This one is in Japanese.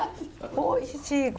おいしい。